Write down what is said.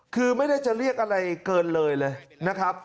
คือไม่ได้จะเรียกอะไรเกินเลยเลยนะครับ